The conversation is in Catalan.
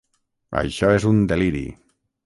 Això és un deliri.